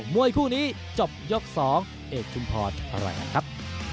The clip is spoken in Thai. มวยคู่นี้จบยก๒เอกชุมพอร์ตแหละครับ